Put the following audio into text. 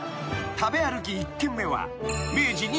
［食べ歩き１軒目は］